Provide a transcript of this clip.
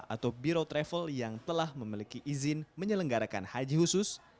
atau biro travel yang telah memiliki izin menyelenggarakan haji khusus